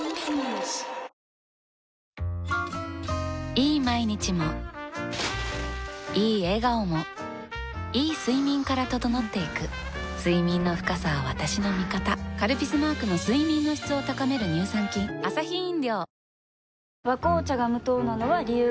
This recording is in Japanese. いい毎日もいい笑顔もいい睡眠から整っていく睡眠の深さは私の味方「カルピス」マークの睡眠の質を高める乳酸菌「和紅茶」が無糖なのは、理由があるんよ。